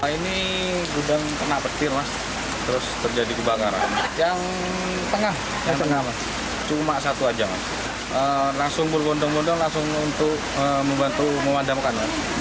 ini gudang kena petir mas terus terjadi kebakaran yang tengah cuma satu aja langsung berbondong bondong langsung untuk membantu memadamkan